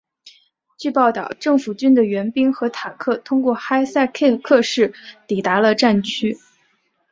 据报道政府军的援兵和坦克通过哈塞克市抵达了战区。